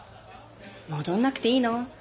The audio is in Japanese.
戻んなくていいの？